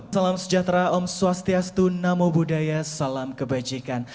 salam sejahtera om swastiastu namo buddhaya salam kebajikan